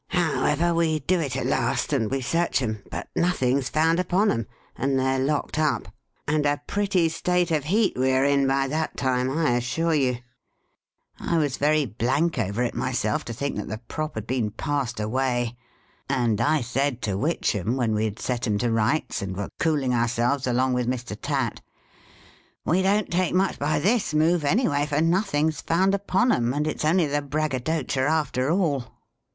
However, we do it at last, and we search 'em ; but nothing 's found upon 'em, and they 're locked up ; and a pretty state of heat we are in by that time, I assure you !" I was very blank over it, myself, to think that the prop had been passed away ; and I said to Witchem, when we had set 'em to rights, and were cooling ourselves along with Mr. Tatt, ' we don't take much by this move, anyway, for nothing 's found upon 'em, and it's only the braggadocia * after all.'